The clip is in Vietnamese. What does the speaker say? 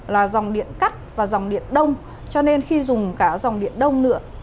là dòng điện cắt và dòng điện đông cho nên khi dùng cả dòng điện đông nữa